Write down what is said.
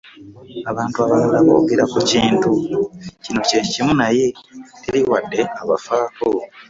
Abantu abalala boogera ku Kintu kino ky'ekimu naye teri wadde abafaako